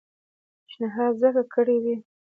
پېشنهاد ځکه کړی وي.